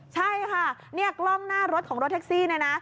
ใช่ค่ะเนี่ยกล้องหน้ารถของรถแท็กซี่เนี่ยนะ